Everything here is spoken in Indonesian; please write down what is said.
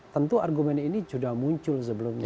tentu argumen ini sudah muncul sebelumnya